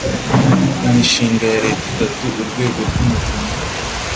imishinga ya leta itatu urwego rw'umuvunyi